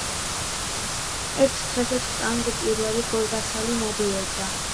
ერთ დღესაც ამ ადგილას მეფე ვახტანგ I გორგასალი ნადირობდა.